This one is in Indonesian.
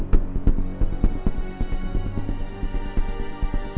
saya merasakan hidup saya